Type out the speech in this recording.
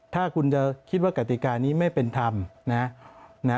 ถ้าคุณจะคิดว่ากติกานี้ไม่เป็นธรรม